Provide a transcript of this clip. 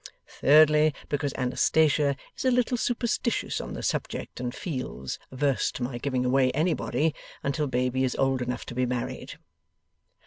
Thirdly, because Anastatia is a little superstitious on the subject and feels averse to my giving away anybody until baby is old enough to be married.